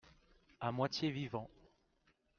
à moitié vivant.